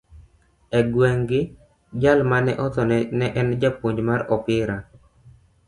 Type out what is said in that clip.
E gweng'gi, jal ma ne otho ne en japuonj mar opira